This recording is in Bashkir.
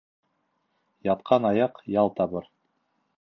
Ятҡан аяҡ ял табыр.